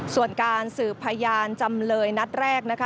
ส่วนการสืบพยานจำเลยนัดแรกนะคะ